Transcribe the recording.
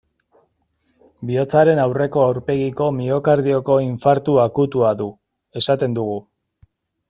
Bihotzaren aurreko aurpegiko miokardioko infartu akutua du, esaten dugu.